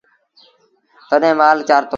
تڏهيݩ مآل چآرتو۔